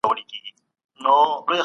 تاسي په خاطر د الله دا کار وکړه.